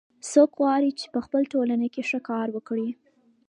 څوک غواړي چې په خپل ټولنه کې ښه کار وکړي